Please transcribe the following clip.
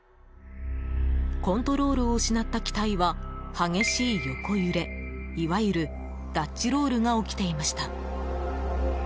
コントロールを失った機体は激しい横揺れいわゆるダッチロールが起きていました。